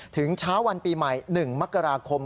ถึงเช้าวันปีใหม่๑มกราคม